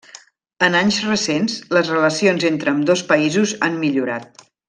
En anys recents les relacions entre ambdós països han millorat.